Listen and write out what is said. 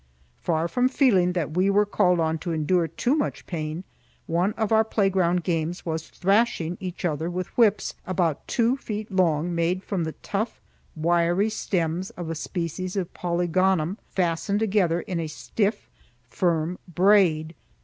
Far from feeling that we were called on to endure too much pain, one of our playground games was thrashing each other with whips about two feet long made from the tough, wiry stems of a species of polygonum fastened together in a stiff, firm braid.